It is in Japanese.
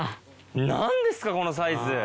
何ですかこのサイズ。